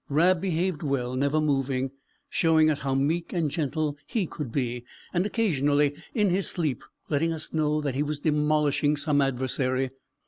Rab behaved well, never moving, showing us how meek and gentle he could be, and occasionally, in his sleep, letting us know that he was demolishing some adversary.